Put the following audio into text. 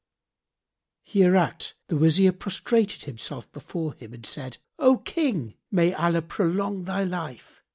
Hereat the Wazir prostrated himself before him and said, "O King, may Allah prolong thy life!